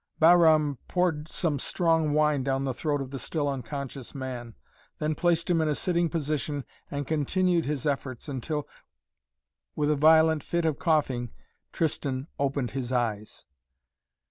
Bahram poured some strong wine down the throat of the still unconscious man, then placed him in a sitting position and continued his efforts until, with a violent fit of coughing, Tristan opened his eyes.